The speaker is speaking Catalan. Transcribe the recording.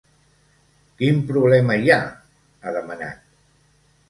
Quin problema hi ha?, ha demanat.